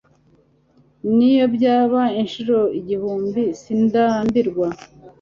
niyo byaba inshuro igihumbi sindambirwa